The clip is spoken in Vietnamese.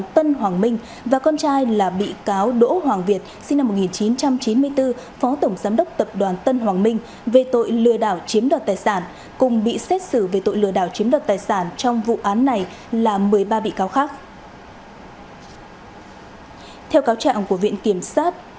theo cáo trạng của viện kiểm sát